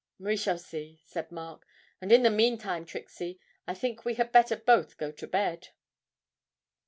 'We shall see,' said Mark; 'and in the meantime, Trixie, I think we had better both go to bed.'